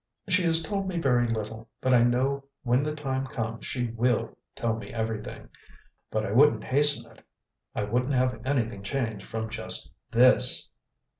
She has told me very little, but I know when the time comes she WILL tell me everything. But I wouldn't hasten it. I wouldn't have anything changed from just THIS!"